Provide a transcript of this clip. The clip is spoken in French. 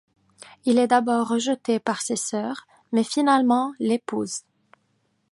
Il est d'abord rejeté par ses sœurs mais finalement l'épouse.